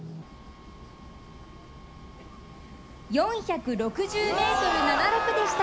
４６０．７６ｍでした。